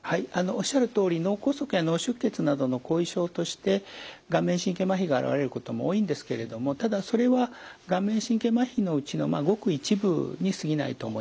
おっしゃるとおり脳梗塞や脳出血などの後遺症として顔面神経まひが現れることも多いんですけれどもただそれは顔面神経まひのうちのごく一部に過ぎないと思います。